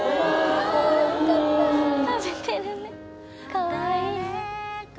かわいい。